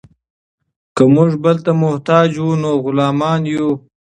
که موږ بل ته محتاج وو نو غلامان یو.